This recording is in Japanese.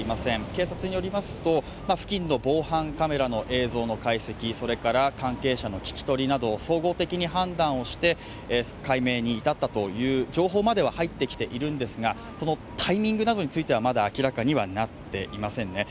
警察によりますと付近の防犯カメラの映像の解析、それから関係者の聞き取りなどを総合的に判断して解明に至ったという情報までは入ってきているんですがそのタイミングなどについてはまだ明らかになっていませんね。